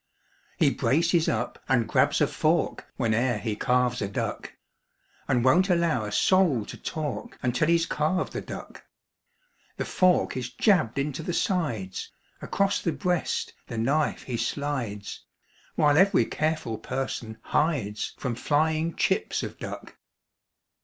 He braces up and grabs a fork Whene'er he carves a duck And won't allow a soul to talk Until he's carved the duck. The fork is jabbed into the sides Across the breast the knife he slides While every careful person hides From flying chips of duck.